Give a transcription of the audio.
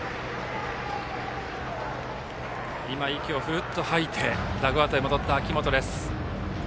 息をフーッと吐いてダグアウトに戻った秋本です。